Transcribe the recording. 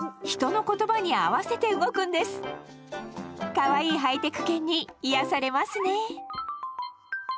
かわいいハイテク犬に癒やされますね。